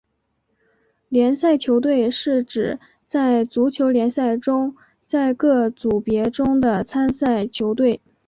联赛球队是指在足球联赛中在各组别中的参赛球队。